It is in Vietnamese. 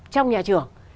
trong nhà trường